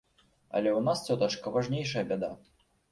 Але ў нас, цётачка, важнейшая бяда.